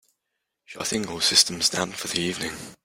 Shutting all systems down for the evening.